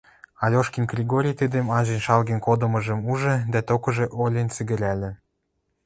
Алешкин Кригори тидӹм анжен шалген кодмыжым ужы дӓ токыжы олен сӹгӹрӓльӹ: